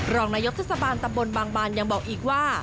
รองนายกเทศบาลตำบลบางบานยังบอกอีกว่า